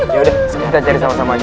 yaudah kita cari sama sama aja